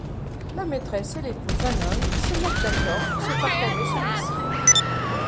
La maîtresse et l'épouse d'un homme se mettent d'accord pour se partager celui-ci.